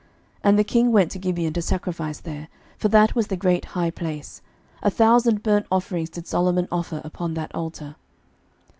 11:003:004 And the king went to Gibeon to sacrifice there; for that was the great high place: a thousand burnt offerings did Solomon offer upon that altar.